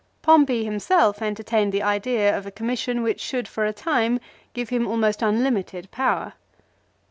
Pompey himself enter tained the idea of a commission which should for a time give him almost unlimited power.